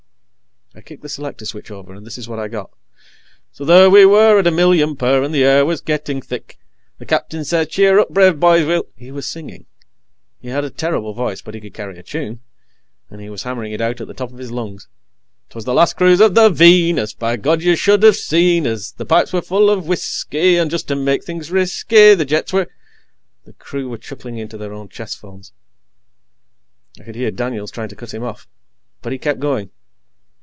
I kicked the selector switch over, and this is what I got: "_ so there we were at a million per, and the air was gettin' thick. The Skipper says 'Cheer up, brave boys, we'll '_" He was singing. He had a terrible voice, but he could carry a tune, and he was hammering it out at the top of his lungs. "Twas the last cruise of the Venus, by God you should of seen us! The pipes were full of whisky, and just to make things risky, the jets were ..." The crew were chuckling into their own chest phones. I could hear Daniels trying to cut him off. But he kept going.